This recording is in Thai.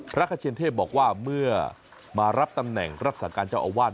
พระขเชนเทพบอกว่าเมื่อมารับตำแหน่งรักษาการเจ้าอาวาส